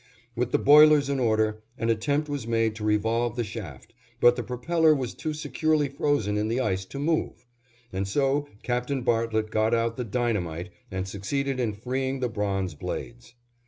With the boilers in order, an attempt was made to revolve the shaft, but the propeller was too securely frozen in the ice to move, and so Captain Bartlett got out the dynamite and succeeded in freeing the bronze blades.